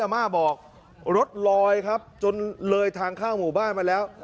ม่าบอกรถลอยครับจนเลยทางเข้าหมู่บ้านมาแล้ว